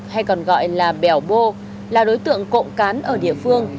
hay còn gọi là bèo bô là đối tượng cộng cán ở địa phương